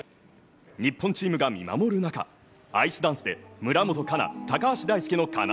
日本チームが見守る中アイスダンスで村元哉中、高橋大輔のかな